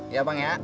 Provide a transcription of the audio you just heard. iya bang ya